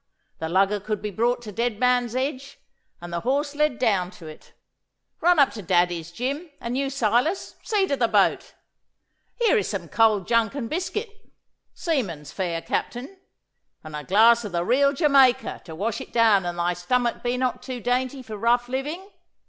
The lugger could be brought to Dead Man's Edge, and the horse led down to it. Run up to Daddy's, Jim; and you, Silas, see to the boat. Here is some cold junk and biscuit seaman's fare, Captain and a glass o' the real Jamaica to wash it down an' thy stomach be not too dainty for rough living.